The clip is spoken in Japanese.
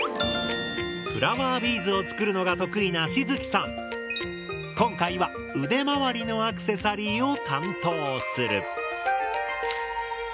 フラワービーズを作るのが得意な今回は腕まわりのアクセサリーを担当する。